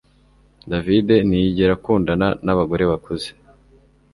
David ntiyigera akundana nabagore bakuze